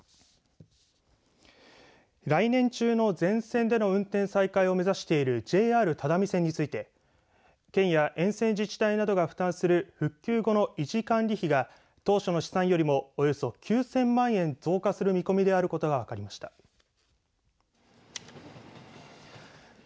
来年中の全線での運転再開を目指しているＪＲ只見線について県や沿線自治体などが負担する復旧後の維持管理費が当初の試算よりもおよそ９０００万円増加する見込みであることが分かりました。